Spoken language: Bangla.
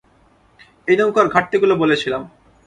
এই নৌকার ঘাটতিগুলো বলেছিলাম।